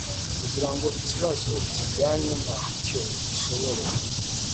kugira ngo ikibazo kijyanye na cyo gishobore